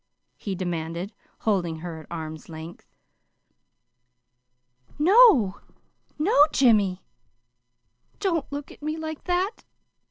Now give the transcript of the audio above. he demanded, holding her at arm's length. "No, no, Jimmy! Don't look at me like that.